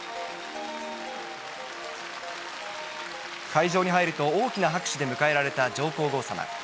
会場に入ると大きな拍手で迎えられた上皇后さま。